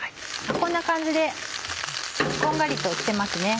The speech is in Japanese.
こんな感じでこんがりとしてますね。